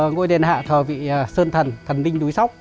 ngôi đền hạ thờ vị sơn thần thần ninh đúi sóc